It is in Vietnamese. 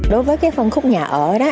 đối với phân khúc nhà ở đó